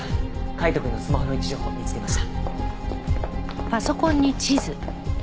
海斗くんのスマホの位置情報見つけました。